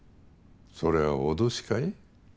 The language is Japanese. それは脅しかい？